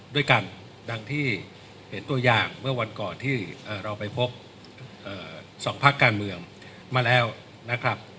ด้วยกันดังที่เห็นตัวอย่างเมื่อวันก่อนที่เราไปพบ๒พักการเมืองมาแล้วนะครับ